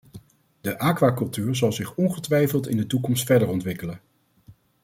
De aquacultuur zal zich ongetwijfeld in de toekomst verder ontwikkelen.